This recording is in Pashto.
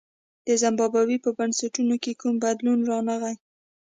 د زیمبابوې په بنسټونو کې کوم بدلون رانغی.